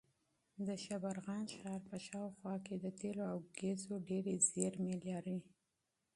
د شبرغان ښار په شاوخوا کې د تېلو او ګازو ډېرې زېرمې دي.